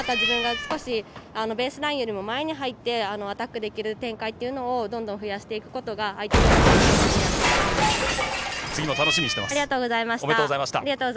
また少し自分がベースラインより前に入ってアタックできる展開っていうのをどんどん増やしていくことが相手にとってプレッシャーになると思います。